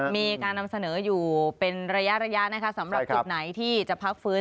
มีการนำเสนออยู่เป็นระยะระยะนะคะสำหรับจุดไหนที่จะพักฟื้น